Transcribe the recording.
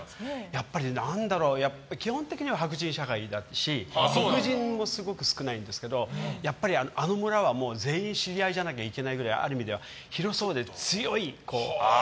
やっぱり基本的には白人社会だし黒人もすごく少ないんですけどやっぱりあのムラは全員知り合いじゃなきゃいけないくらいある意味では広そうで強い。